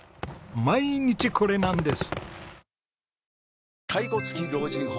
毎日これなんです！